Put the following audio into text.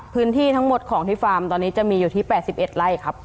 พื้นที่ทั้งหมดของที่ฟาร์มตอนนี้จะมีอยู่ที่๘๑ไร่ครับ